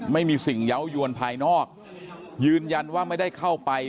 ไม่มีสิ่งเยาว์ยวนภายนอกยืนยันว่าไม่ได้เข้าไป